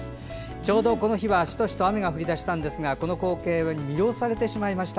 ちょうどこの日はシトシト雨が降り出したんですがこの光景に魅了されてしまいました。